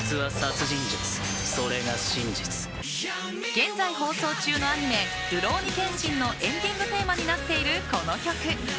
現在放送中のアニメ「るろうに剣心」のエンディングテーマになっているこの曲。